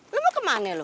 lu mau kemana lu